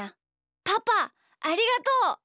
パパありがとう。